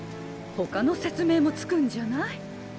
ほかの説明もつくんじゃない？